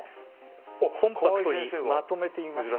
コンパクトにまとめてみました。